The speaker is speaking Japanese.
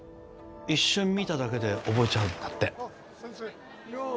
一瞬見ただけで覚えちゃうんだって先生